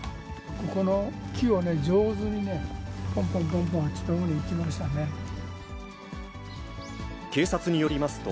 ここの木を上手にね、ぽんぽんぽんぽん、あっちのほうに行きまし警察によりますと、